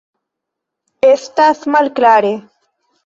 Estas malklare.